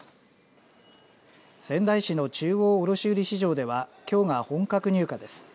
仙台市の中央卸売市場ではきょうが本格入荷です。